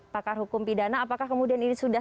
pakar hukum pidana apakah kemudian ini sudah